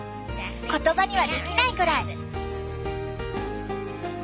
言葉にはできないぐらい。